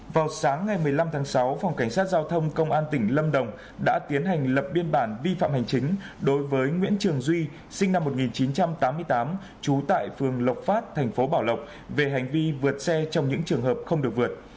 vào sáng ngày một mươi năm tháng sáu phòng cảnh sát giao thông công an tỉnh lâm đồng đã tiến hành lập biên bản vi phạm hành chính đối với nguyễn trường duy sinh năm một nghìn chín trăm tám mươi tám trú tại phường lộc phát thành phố bảo lộc về hành vi vượt xe trong những trường hợp không được vượt